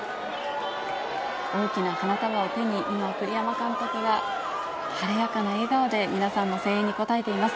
大きな花束を手に、今、栗山監督が晴れやかな笑顔で、皆さんの声援に応えています。